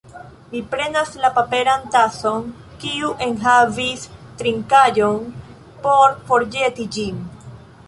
Mi prenas la paperan tason, kiu enhavis trinkaĵon, por forĵeti ĝin.